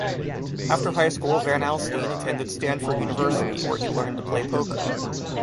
After high school, Van Alstyne attended Stanford University, where he learned to play poker.